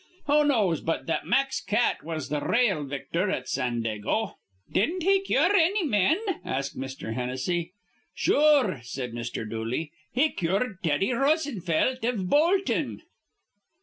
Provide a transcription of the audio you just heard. Who knows but that Mack's cat was th' rale victhor at Sandago?" "Didn't he cure anny men?" asked Mr. Hennessy. "Sure," said Mr. Dooley. "He cured Teddy Rosenfelt iv boltin'."